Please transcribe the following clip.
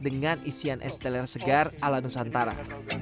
dengan isian esteler segar ala nusantara